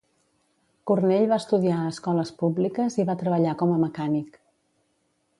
Cornell va estudiar a escoles públiques i va treballar com a mecànic.